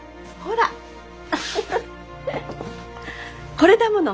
これだもの！